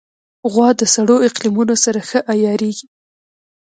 غوا د سړو اقلیمونو سره ښه عیارېږي.